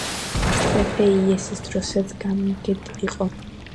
მეფე იესეს დროსაც გამგედ იყო.